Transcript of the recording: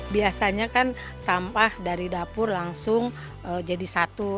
biasanya kan sampah dari dapur langsung jadi satu